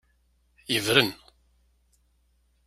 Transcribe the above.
Yebren.